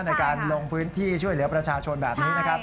ในการลงพื้นที่ช่วยเหลือประชาชนแบบนี้นะครับ